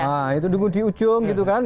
wah itu nunggu di ujung gitu kan